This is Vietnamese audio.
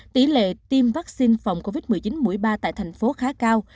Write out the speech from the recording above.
tỷ lệ tiêm vắc xin phòng covid một mươi chín mũi ba tại thành phố khá cao